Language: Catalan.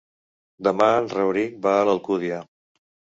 Demà en Rauric va a l'Alcúdia.